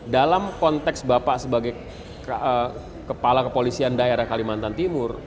dalam konteks bapak sebagai kepala kepolisian daerah kalimantan timur